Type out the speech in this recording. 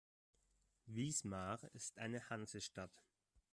Wismar ist eine Hansestadt.